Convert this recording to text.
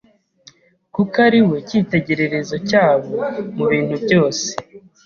kuko ari we cyitegererezo cyabo mu bintu byose.